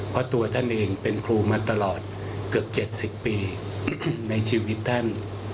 เพราะตัวท่านเองเป็นครูมาตลอดเกือบ๗๐ปีในชีวิตท่าน